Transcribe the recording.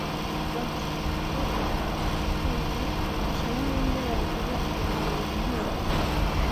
bati: "Ngushije ishyano ni nde wankiza uyu mubiri untera urupfu.'-"